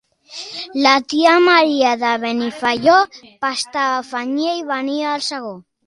La tia Maria de Benifaió pastava, fenyia i venia el segó.